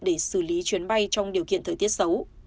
để xử lý chuyến bay trong điều kiện thời tiết xấu